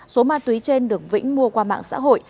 số ma túy trên được vĩnh mua qua mạng xã hội